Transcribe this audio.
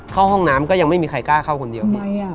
ห้องน้ำก็ยังไม่มีใครกล้าเข้าคนเดียวไป